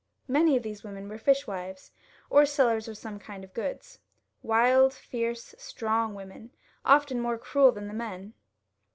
Many of these women were fishwives, or sellers of some kind of goods, wild, fierce, strong women, often more cruel than the men.